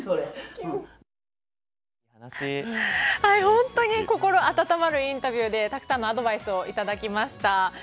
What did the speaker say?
本当に心温まるインタビューでたくさんのアドバイスをいただきました。